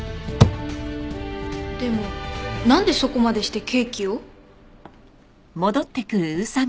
でもなんでそこまでしてケーキを？